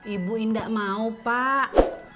ibu indah mau pak